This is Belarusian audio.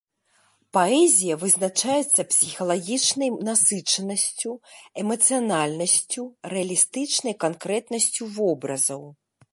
Паэзія вызначаецца псіхалагічнай насычанасцю, эмацыянальнасцю, рэалістычнай канкрэтнасцю вобразаў.